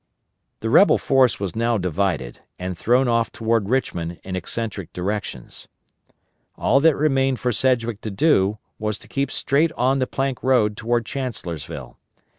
The rebel force was now divided, and thrown off toward Richmond in eccentric directions. All that remained for Sedgwick to do was to keep straight on the Plank Road toward Chancellorsville.